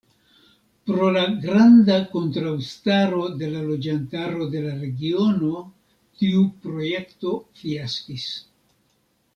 Pro la granda kontraŭstaro de la loĝantaro de la regiono, tiu projekto fiaskis.